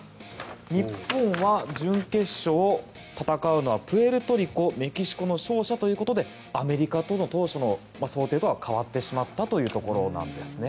日本は準決勝戦うのはプエルトリコ、メキシコの勝者ということでアメリカとの当初の想定とは変わってしまったというところなんですね。